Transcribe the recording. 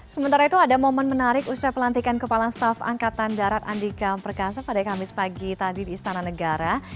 sementara itu ada momen menarik usai pelantikan kepala staf angkatan darat andika perkasa pada kamis pagi tadi di istana negara